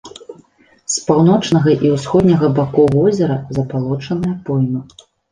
З паўночнага і ўсходняга бакоў возера забалочаная пойма.